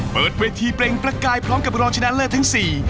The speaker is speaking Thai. เปิดเวทีเปล่งประกายพร้อมกับรองชนะเลิศทั้งสี่